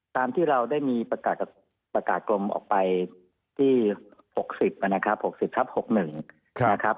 ตามที่เราได้มีประกาศกรมออกไปที่๖๐นะครับ๖๐ทับ๖๑นะครับ